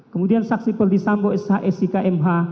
kemudian saksi perdisambo s i k m h